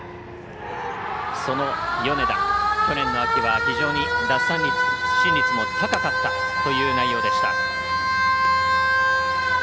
その米田、去年の秋は非常に奪三振率も高かったという内容でした。